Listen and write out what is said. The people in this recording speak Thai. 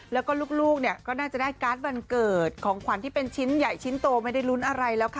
แล้วก็ลูกเนี่ยก็น่าจะได้การ์ดวันเกิดของขวัญที่เป็นชิ้นใหญ่ชิ้นโตไม่ได้ลุ้นอะไรแล้วค่ะ